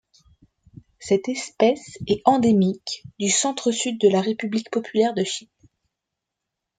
Cette espèce est endémique du centre-Sud de la République populaire de Chine.